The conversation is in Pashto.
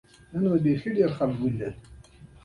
نن مې ډیر خلک ولیدل.